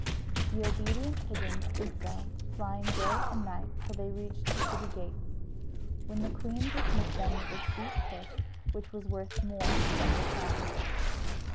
The obedient pigeons did so, flying day and night till they reached the city gates; when the queen dismissed them with a sweet kiss, which was worth more than her crown.